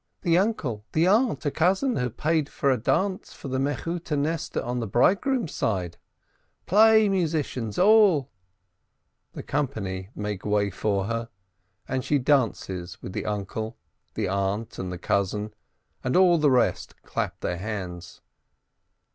"The uncle, the aunt, a cousin have paid for a dance for the Mechuteneste on the bridegroom's side ! Play, musicians all !" The company make way for her, and she dances with the uncle, the aunt, and the cousin, and all the rest clap their hands.